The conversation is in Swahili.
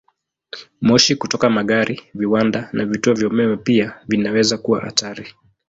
Moshi kutoka magari, viwanda, na vituo vya umeme pia vinaweza kuwa hatari.